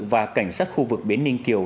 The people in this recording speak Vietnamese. và cảnh sát khu vực bến ninh kiều